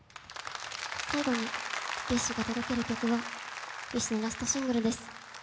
最後にＢｉＳＨが届ける曲はＢｉＳＨのラストシングルです。